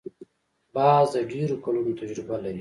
باز د ډېرو کلونو تجربه لري